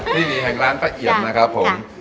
ที่นี่แห่งร้านป้าเอี่ยมนะครับผม